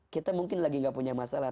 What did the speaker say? kita mungkin lagi nggak punya masalah